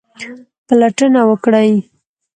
پلټنه وکړئ